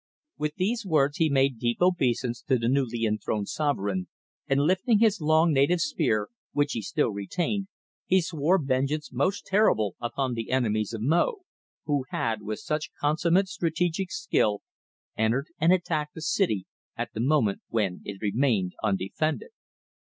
With these words he made deep obeisance to the newly enthroned sovereign, and lifting his long native spear, which he still retained, he swore vengeance most terrible upon the enemies of Mo, who had, with such consummate strategic skill, entered and attacked the city at the moment when it remained undefended.